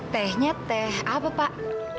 tehnya teh apa pak